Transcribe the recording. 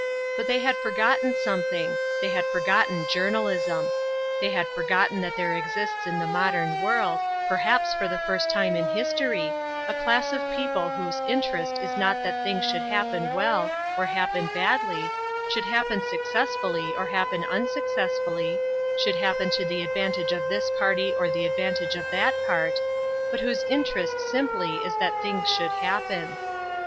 But they had forgotten something; they had forgotten journalism. They had forgotten that there exists in the modern world, perhaps for the first time in history, a class of people whose interest is not that things should happen well or happen badly, should happen successfully or happen unsuccessfully, should happen to the advantage of this party or the advantage of that part, but whose interest simply is that things should happen.